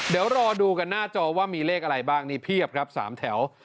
เดี๋ยวรอดูกันหน้าจอว่ามีเลขอะไรบ้างนี่เพียบครับ๓แถว